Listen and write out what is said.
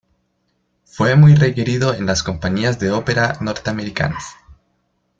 Fue muy requerido en las compañías de ópera norteamericanas.